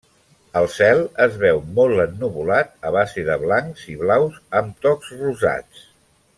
El cel es veu molt ennuvolat a base de blancs i blaus amb tocs rosats.